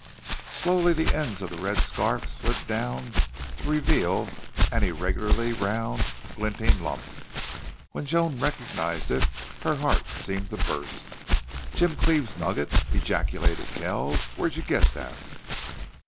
Slowly the ends of the red scarf slid down to reveal an irregularly round, glinting lump. When Joan recognized it her heart seemed to burst. "Jim Cleve's nugget!" ejaculated Kells. "Where'd you get that?"